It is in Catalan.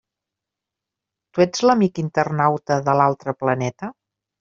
Tu ets l'amic internauta de l'altre planeta?